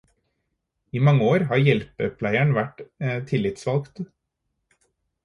I mange år har hjelpepleieren vært tillitsvalgt.